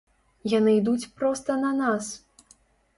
Яны ідуць проста на нас.